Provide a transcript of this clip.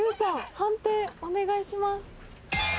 判定お願いします。